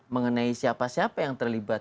mengenai siapa siapa yang terlibat